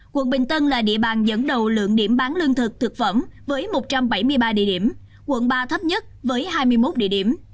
quận bình tân là địa bàn dẫn đầu lượng điểm bán lương thực thực phẩm với một trăm bảy mươi ba địa điểm quận ba thấp nhất với hai mươi một địa điểm